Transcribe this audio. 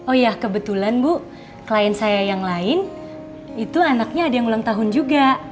oh ya kebetulan bu klien saya yang lain itu anaknya ada yang ulang tahun juga